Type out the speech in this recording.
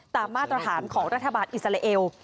มาตรฐานของรัฐบาลอิสราเอล